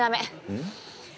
うん？